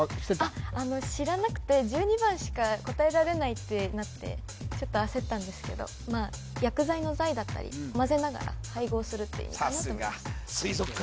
知らなくて１２番しか答えられないってなってちょっと焦ったんですけどまぜながら配合するっていう意味かなと思いました